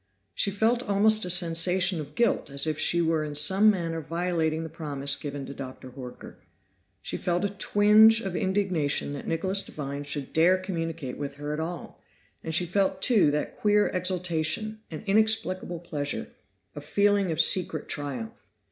She felt almost a sensation of guilt as if she were in some manner violating the promise given to Dr. Horker; she felt a tinge of indignation that Nicholas Devine should dare communicate with her at all, and she felt too that queer exultation, an inexplicable pleasure, a feeling of secret triumph.